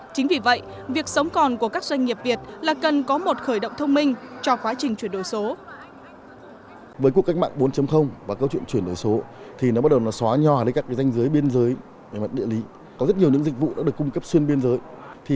chính vì vậy việc sống còn của các doanh nghiệp việt là cần có một khởi động thông minh